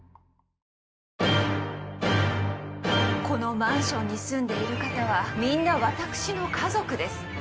このマンションに住んでいる方はみんな私の家族です。